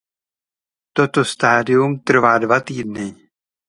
Toto stadium trvá dva týdny.